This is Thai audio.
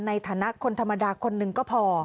ในฐานะคนธรรมดาคนหนึ่งก็พอ